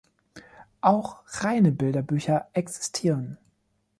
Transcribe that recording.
Auch reine Bilderbücher existieren.